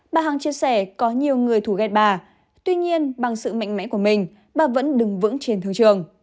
bà hằng chia sẻ có nhiều người thủ ghe bà tuy nhiên bằng sự mạnh mẽ của mình bà vẫn đứng vững trên thương trường